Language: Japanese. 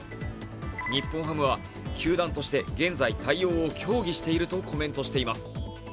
日本ハムは球団として現在、対応を協議しているとコメントしています。